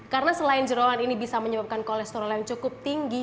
karena selain jeruan ini bisa menyebabkan kolesterol yang cukup tinggi